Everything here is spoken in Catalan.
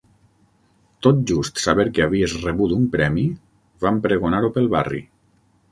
Tot just saber que havies rebut un premi van pregonar-ho pel barri.